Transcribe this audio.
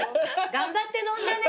「頑張って飲んだね」